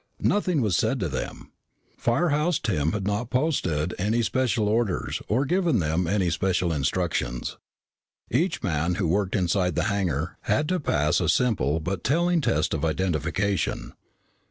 Nothing was said to them. Firehouse Tim had not posted any special orders or given them any special instructions. Each man who worked inside the hangar had to pass a simple but telling test of identification.